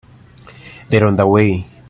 They're on their way.